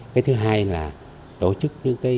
cái thứ hai là tổ chức những cây